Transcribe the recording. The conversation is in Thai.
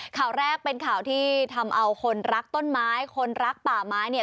ข่าวแรกเป็นข่าวที่ทำเอาคนรักต้นไม้คนรักป่าไม้เนี่ย